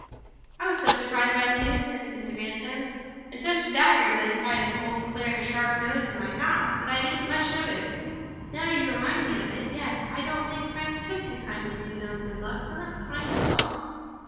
"I was so surprised by the news," said Mr. Vanstone, "and so staggered by the sight of old Clare's sharp nose in my house, that I didn't much notice. Now you remind me of it—yes. I don't think Frank took kindly to his own good luck; not kindly at all."